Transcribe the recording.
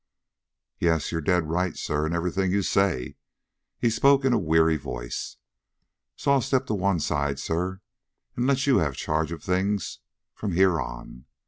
"Yes, you're dead right, sir, in everything you say," he spoke in a weary voice. "So I'll step to one side, sir, and let you have charge of things from here on.